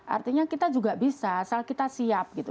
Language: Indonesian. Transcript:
artinya kita juga bisa asal kita siap gitu